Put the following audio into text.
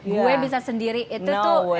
gue bisa sendiri itu tuh